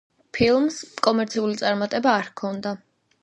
ფილმს კომერციული წარმატება არ ჰქონდა.